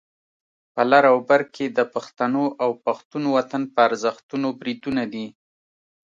په لر او بر کې د پښتنو او پښتون وطن پر ارزښتونو بریدونه دي.